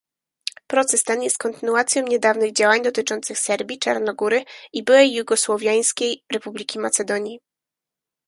Proces ten jest kontynuacją niedawnych działań dotyczących Serbii, Czarnogóry i Byłej Jugosłowiańskiej Republiki Macedonii